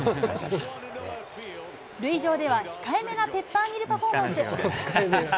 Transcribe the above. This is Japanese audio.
塁上では控えめなペッパーミルパフォーマンス。